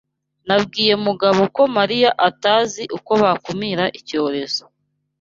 Nabwiye Mugabo ko Mariya atazi uko bakumira icyorezo